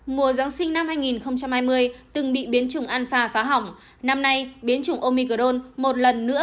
mùa giáng sinh năm hai nghìn hai mươi từng bị biến chủng an phá hỏng năm nay biến chủng omicron một lần nữa